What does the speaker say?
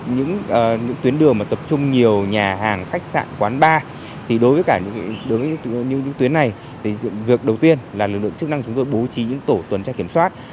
những tuyến đường mà tập trung nhiều nhà hàng khách sạn quán bar thì đối với cả những tuyến này thì việc đầu tiên là lực lượng chức năng chúng tôi bố trí những tổ tuần tra kiểm soát